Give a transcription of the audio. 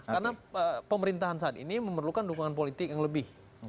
karena pemerintahan saat ini memerlukan dukungan politik yang lebih